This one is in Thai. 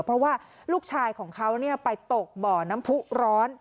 เพราะว่าลูกชายของเขาไปตกบ่อน้ำผู้ร้อน